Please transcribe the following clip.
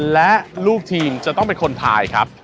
และลูกทีมจะต้องเป็นคนทายครับ